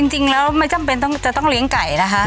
จริงแล้วไม่จำเป็นจะต้องเลี้ยงไก่นะคะ